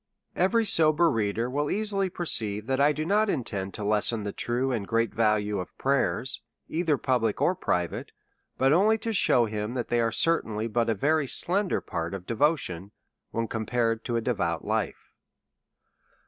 Every sober reader will easily perceive that I do not intend to lessen the true and great value of pray ers, either public or private, but only to shew him that they are certainly but a very slender part of devotion, when compared to a devout life.